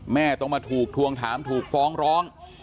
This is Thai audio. แม่ต้องมาถูกทวงถามถูกฟ้องร้อง